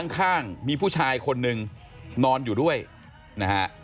ข้างมีผู้ชายคนนึงนอนอยู่ด้วยนะฮะ